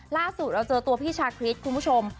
ล่าสุดเราเจอตัวพี่ชาคริสคุณผู้ชม